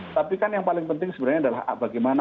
tapi kan yang paling penting sebenarnya adalah bagaimana